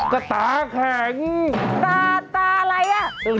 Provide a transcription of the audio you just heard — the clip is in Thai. ก็ตาแข็งตาตาอะไรอ่ะ